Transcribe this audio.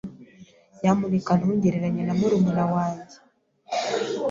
Nyamuneka ntugereranye na murumuna wanjye.